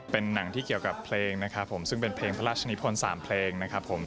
เป็นหนังที่เกี่ยวกับเพลงนะครับผมซึ่งเป็นเพลงพระราชนิพล๓เพลงนะครับผม